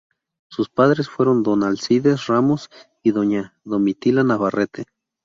Sus padres fueron don Alcides Ramos y doña Domitila Navarrete.